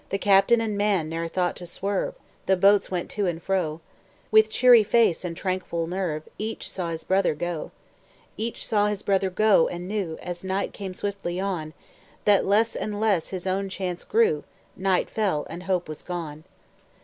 Captain and man ne'er thought to swerve; The boats went to and fro; With cheery face and tranquil nerve, Each saw his brother go. Each saw his brother go, and knew, As night came swiftly on, That less and less his own chance grew Night fell, and hope was gone.